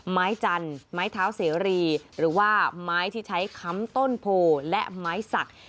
ไม้จันทร์ไม้เท้าเสรีหรือว่าไม้ที่ใช้ค้ำต้นโพและไม้สัก